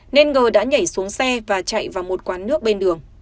nên ngờ đã nhảy xuống xe và chạy vào một quán nước bên đường